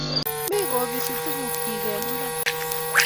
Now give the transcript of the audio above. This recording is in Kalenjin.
Mi ko pisi tukukyi eng mbar